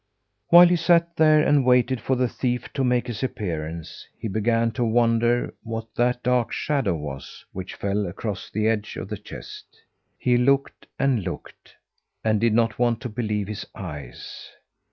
While he sat there and waited for the thief to make his appearance, he began to wonder what that dark shadow was which fell across the edge of the chest. He looked and looked and did not want to believe his eyes.